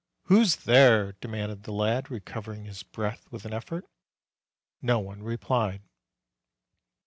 "Who's there?" demanded the lad, recovering his breath with an effort. No one replied.